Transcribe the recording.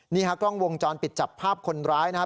นี่ฮะกล้องวงจรปิดจับภาพคนร้ายนะครับ